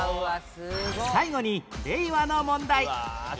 最後に令和の問題